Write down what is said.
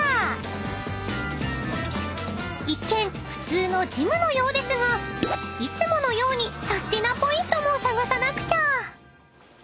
［一見普通のジムのようですがいつものようにサスティなポイントも探さなくちゃ］